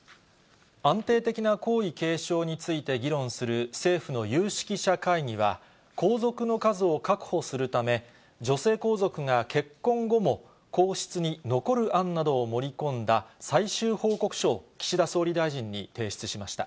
安定的な皇位継承について議論する政府の有識者会議は、皇族の数を確保するため、女性皇族が結婚後も皇室に残る案などを盛り込んだ最終報告書を岸田総理大臣に提出しました。